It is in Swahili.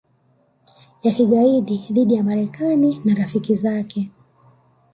ya kigaidi dhidi ya Marekani na rafiki zake